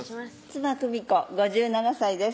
妻・久美子５７歳です